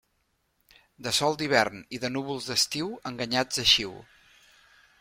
De sol d'hivern i de núvols d'estiu, enganyats eixiu.